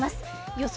予想